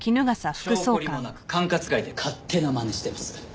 性懲りもなく管轄外で勝手なまねしてます。